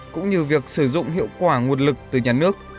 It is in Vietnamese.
cũng như việc sử dụng hiệu quả nguồn lực từ nhà nước